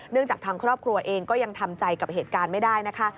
จากทางครอบครัวเองก็ยังทำใจกับเหตุการณ์ไม่ได้นะคะ